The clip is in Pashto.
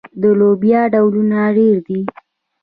د لوبیا ډولونه ډیر دي.